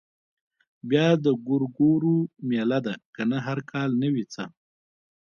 بيا د ګورګورو مېله ده کنه هر کال نه وي څه.